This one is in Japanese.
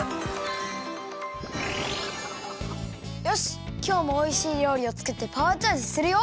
よしきょうもおいしいりょうりをつくってパワーチャージするよ！